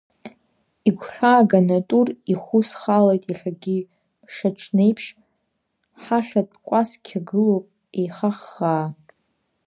Игәхьааганы Тур ихәы схалеит иахьагьы, мшаҽнеиԥш ҳахьатәкәасқьа гылоуп еихаххаа.